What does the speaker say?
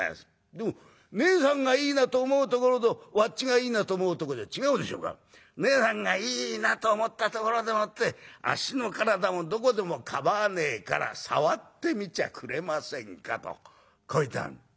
でもねえさんがいいなと思うところとわっちがいいなと思うとこじゃ違うでしょうからねえさんがいいなと思ったところでもってあっしの体のどこでも構わねえから触ってみちゃくれませんか』とこう言ったの」。